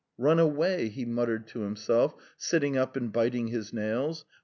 "Run away," he muttered to himself, sitting up and biting his nails.